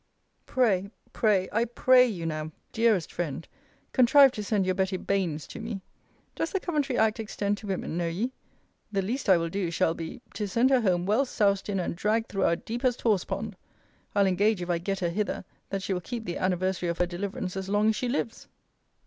Pray pray I pray you now, my dearest friend, contrive to send your Betty Banes to me! Does the Coventry Act extend to women, know ye? The least I will do, shall be, to send her home well soused in and dragged through our deepest horsepond. I'll engage, if I get her hither, that she will keep the anniversary of her deliverance as long as she lives.